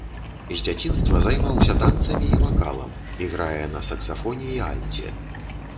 З дзяцінства займаўся танцамі і вакалам, іграе на саксафоне і альце.